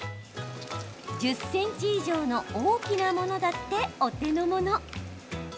１０ｃｍ以上の大きなものだってお手の物。